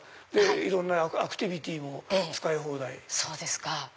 いろんなアクティビティーも使い放題。